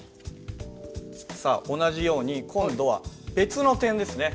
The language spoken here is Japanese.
さあ同じように今度は別の点ですね。